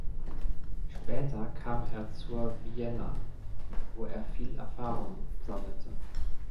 Später kam er zur Vienna, wo er viel Erfahrung sammelte.